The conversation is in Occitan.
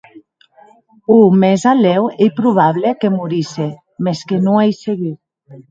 O mèsalèu ei probable que morisse, mès que non ei segur.